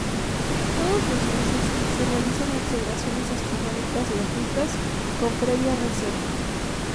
Todos los meses se realizan observaciones astronómicas gratuitas con previa reserva.